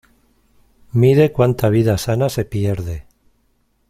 Mide cuánta vida sana se pierde.